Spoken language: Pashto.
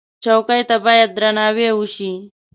چوکۍ ته باید درناوی وشي.